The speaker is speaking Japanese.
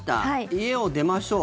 家を出ましょう。